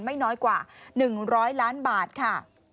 ไม่น้อยกว่าหนึ่งร้อยล้านบาทค่ะ